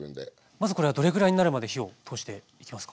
まずこれはどれぐらいになるまで火を通していきますか？